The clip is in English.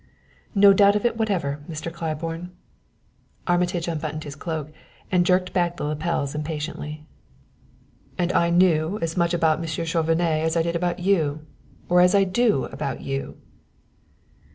"No doubt of it whatever, Mr. Claiborne." Armitage unbuttoned his coat, and jerked back the lapels impatiently. "And I knew as much about Monsieur Chauvenet as I did about you, or as I do about you!"